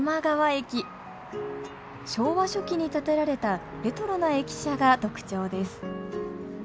昭和初期に建てられたレトロな駅舎が特徴です